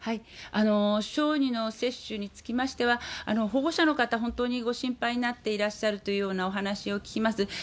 小児の接種につきましては、保護者の方、本当にご心配になっていらっしゃるというようなお話を聞きます。